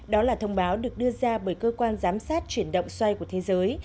đó là thông báo được đưa ra bởi cơ quan giám sát chuyển động xoay của thế giới